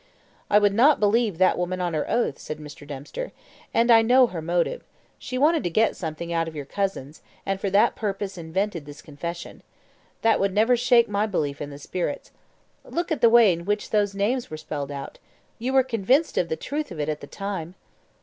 "I would not believe that woman on her oath," said Mr. Dempster; "and I know her motive. She wanted to get something out of your cousins, and for that purpose invented this confession. That would never shake my belief in the spirits. Look at the way in which those names were spelled out you were convinced of the truth of it at the time."